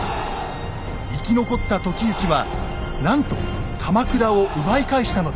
生き残った時行はなんと鎌倉を奪い返したのです。